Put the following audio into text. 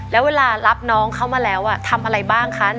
แล้วเวลารับน้องเขามาแล้วทำอะไรบ้างคะ